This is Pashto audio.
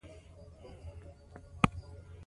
دوی به یې مړی ښخ کړی وي.